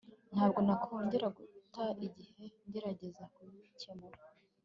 ntabwo nakongera guta igihe ngerageza kubikemura